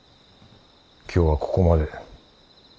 今日はここまで。